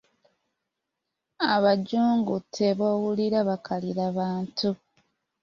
"Abajungute b’owulira, bakaliira bantu."